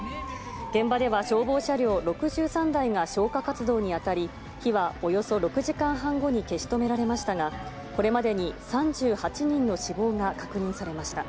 現場では消防車両６３台が消火活動に当たり、火はおよそ６時間半後に消し止められましたが、これまでに３８人の死亡が確認されました。